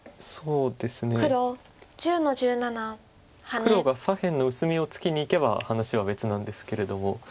黒が左辺の薄みをつきにいけば話は別なんですけれども。